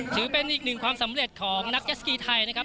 ถือเป็นอีกหนึ่งความสำเร็จของนักเจสกีไทยนะครับ